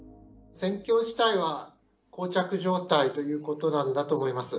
戦況自体はこう着状態ということなんだと思います。